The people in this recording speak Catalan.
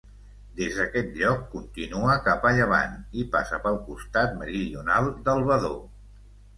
Des d'aquest lloc continua cap a llevant, i passa pel costat meridional del Badó.